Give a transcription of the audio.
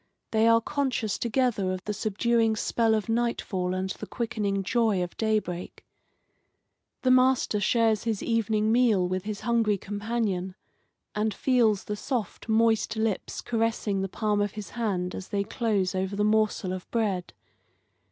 They are conscious together of the subduing spell of nightfall and the quickening joy of daybreak. The master shares his evening meal with his hungry companion, and feels the soft, moist lips caressing the palm of his hand as they close over the morsel of bread.